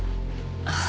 ああ。